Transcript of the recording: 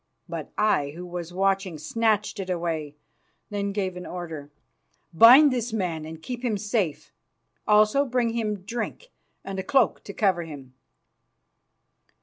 But I, who was watching, snatched it away, then gave an order. "Bind this man and keep him safe. Also bring him drink and a cloak to cover him."